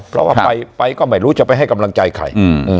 เพราะว่าไปก็ไม่รู้จะไปให้กำลังใจใคร